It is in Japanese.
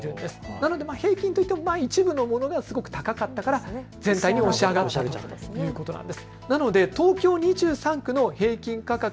なので平均といっても一部のものがすごく高かったから全体的に上がったということなんです。